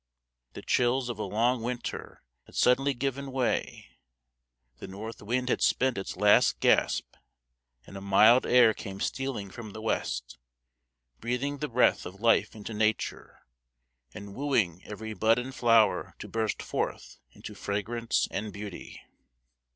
The chills of a long winter had suddenly given way; the north wind had spent its last gasp; and a mild air came stealing from the west, breathing the breath of life into Nature, and wooing every bud and flower to burst forth into fragrance and beauty.